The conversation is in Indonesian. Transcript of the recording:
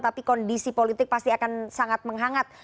tapi kondisi politik pasti akan sangat menghangat